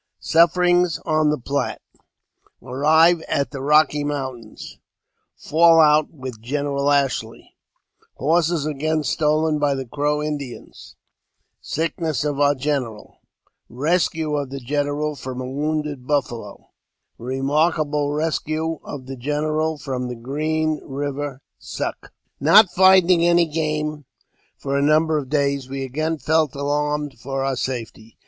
Sufferings on the Platte — Arrive at the Eocky Mountains— Fall out with General Ashley — Horses again stolen by the Crow Indians — Sickness of our General — Eescue of the General from a wounded Buffalo — Eemarkable Eescue of the General from the Green Eiver " Suck." NOT finding any game for a number of days, we again felt alarmed for om: safety.